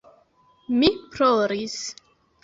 Mi ploris.